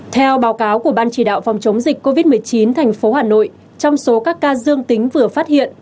theo báo cáo của ban chỉ đạo phòng chống dịch covid một mươi chín thành phố hà nội trong số các ca dương tính vừa phát hiện